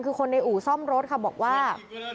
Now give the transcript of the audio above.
คือคนในอู่ซ่อมรถค่ะบอกว่า